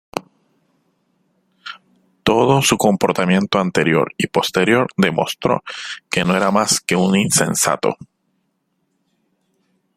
Todo su comportamiento anterior y posterior demostró que no era más que un insensato.